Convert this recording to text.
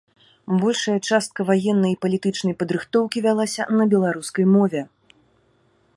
Большая частка ваеннай і палітычнай падрыхтоўкі вялася на беларускай мове.